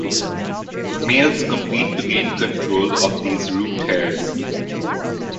Males compete to gain control of these root hairs.